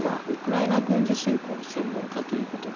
ウクライナ軍事侵攻の専門家という事で。